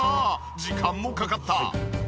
時間もかかった。